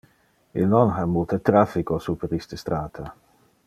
Il non ha multe traffico super iste strata.